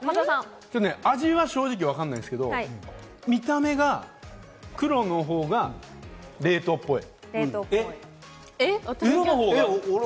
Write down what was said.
味は正直わかんないですけれども、見た目が黒のほうが冷凍っぽい。